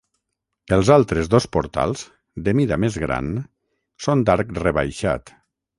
Els altres dos portals, de mida més gran, són d'arc rebaixat.